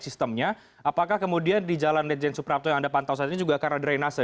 sistemnya apakah kemudian di jalan ledjen suprapto yang anda pantau saat ini juga karena drainase